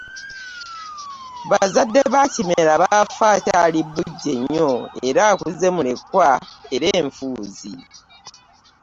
Bazadde ba kimera baafa akyali bujje nnyo era akuze mulekwa era enfuuzi.